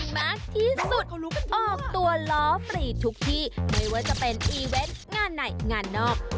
ไม่ว่าจะเป็นอีเว้นต์งานในงานนอก